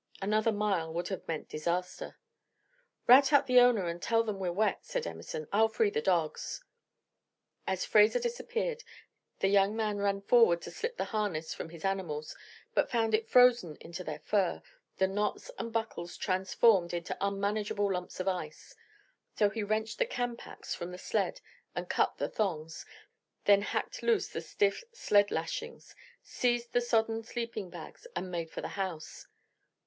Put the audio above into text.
Another mile would have meant disaster. "Rout out the owner and tell him we're wet," said Emerson; "I'll free the dogs." As Fraser disappeared, the young man ran forward to slip the harness from his animals, but found it frozen into their fur, the knots and buckles transformed into unmanageable lumps of ice, so he wrenched the camp axe from the sled and cut the thongs, then hacked loose the stiff sled lashings, seized the sodden sleeping bags, and made for the house.